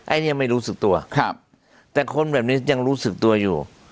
ไอ้นี่ยังไม่รู้สึกตัวแต่คนแบบนี้ยังรู้สึกตัวอยู่